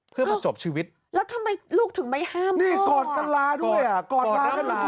เพื่อมาจบชีวิตแล้วทำไมลูกถึงไม่ห้ามนี่กอดกันลาด้วยอ่ะกอดลากันเหรอ